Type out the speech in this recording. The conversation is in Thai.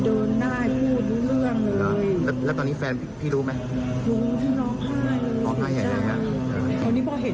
ดูแลจนแฟนพี่ดีหายดีแล้วถึงได้ได้กับอะไร